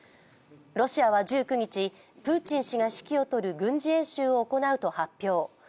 ロシアは１９日、プーチン氏が指揮をとる軍事演習を行うト発表。